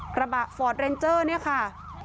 กระบะฟอร์ดเรนเจอร์เนี่ยค่ะ